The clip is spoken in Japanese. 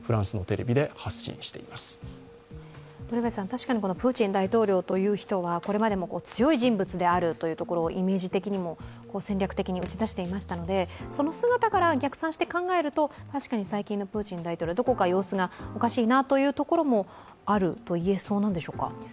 確かにプーチン大統領という人はこれまでも強い人物であるところをイメージ的にも戦略的に打ち出していましたので、その姿から逆算して考えると確かに最近のプーチン大統領、どこか様子がおかしいなというところもあると言えそうなんでしょうか。